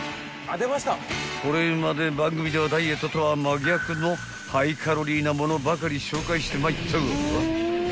［これまで番組ではダイエットとは真逆のハイカロリーなものばかり紹介してまいったが］